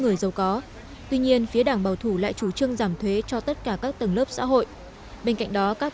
người giàu có tuy nhiên phía đảng bảo thủ lại chủ trương giảm thuế cho tất cả các tầng lớp xã hội bên cạnh đó các